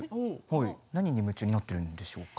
何に夢中になってるんでしょうか。